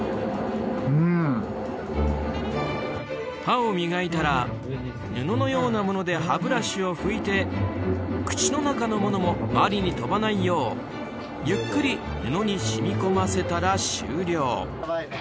歯を磨いたら布のようなもので歯ブラシを拭いて口の中のものも周りに飛ばないようゆっくり布に染み込ませたら終了。